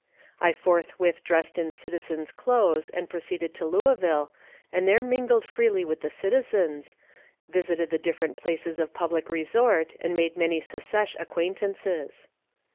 I forthwith dressed in citizen's clothes and proceeded to Louisville, and there mingled freely with the citizens, visited the different places of public resort, and made many secesh acquaintances.